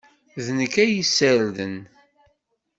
D nekk ay yessarden.